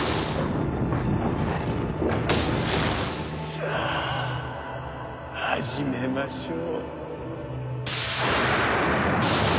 さあ始めましょう。